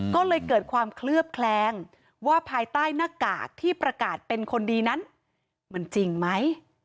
ก็เลยเกิดความเคลือบแคลงว่าภายใต้หน้ากากที่ประกาศเป็นคนดีนั้นมันจริงไหม